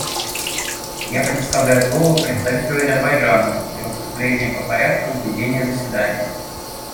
Я предоставляю слово представителю Азербайджана для выступления по порядку ведения заседания.